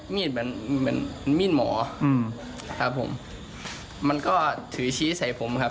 เหมือนเหมือนมีดหมออืมครับผมมันก็ถือชี้ใส่ผมครับ